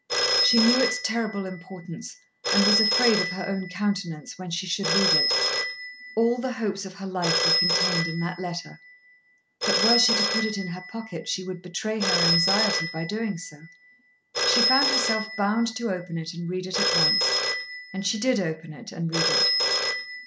She knew its terrible importance, and was afraid of her own countenance when she should read it. All the hopes of her life were contained in that letter. But were she to put it in her pocket she would betray her anxiety by doing so. She found herself bound to open it and read it at once, and she did open it and read it.